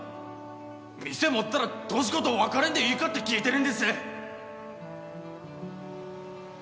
店持ったら俊子と別れんでいいかって聞いてるんです